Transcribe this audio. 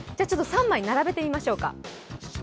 ３枚並べてみましょうか。